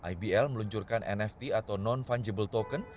ibl meluncurkan nft atau non fungible token